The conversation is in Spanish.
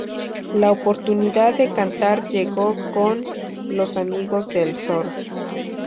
La oportunidad de cantar llegó con 'Los Amigos Del Sol'.